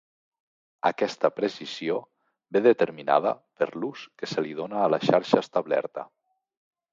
Aquesta precisió ve determinada per l'ús que se li dóna a la xarxa establerta.